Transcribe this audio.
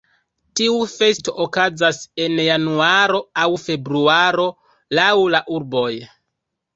Tiu festo okazas en januaro aŭ februaro laŭ la urboj.